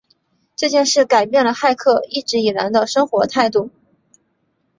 这件事改变了汉克一直以来的生活态度。